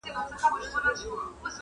• تر منزله یې د مرګ لاره وهله -